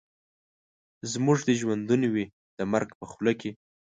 زموږ دي ژوندون وي د مرګ په خوله کي